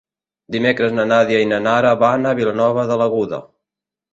Dimecres na Nàdia i na Nara van a Vilanova de l'Aguda.